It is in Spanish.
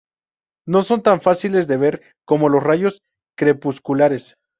No son tan fáciles de ver como los rayos crepusculares.